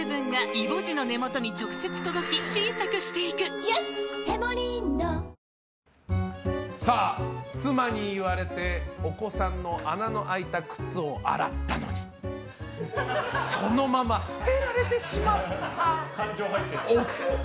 ダイエットした時に妻に言われてお子さんの穴の開いた靴を洗ったのにそのまま捨てられてしまった夫。